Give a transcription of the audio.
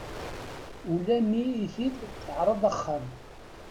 Ula mi i t-id-teɛreḍ axxam.